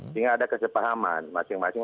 sehingga ada kesepahaman masing masing